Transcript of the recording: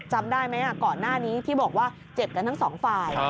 จำได้ไหมก่อนหน้านี้ที่บอกว่าเจ็บกันทั้งสองฝ่าย